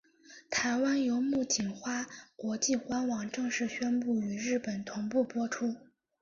台湾由木棉花国际官网正式宣布与日本同步播出。